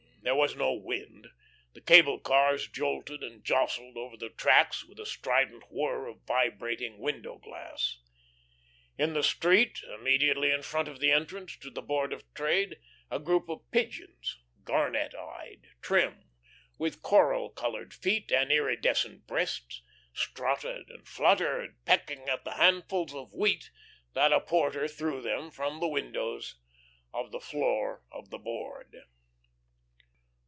There was no wind. The cable cars jolted and jostled over the tracks with a strident whir of vibrating window glass. In the street, immediately in front of the entrance to the Board of Trade, a group of pigeons, garnet eyed, trim, with coral coloured feet and iridescent breasts, strutted and fluttered, pecking at the handfuls of wheat that a porter threw them from the windows of the floor of the Board.